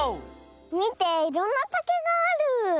みていろんなたけがある。